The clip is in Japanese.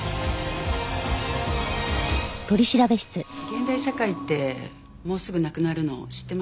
「現代社会」ってもうすぐなくなるの知ってます？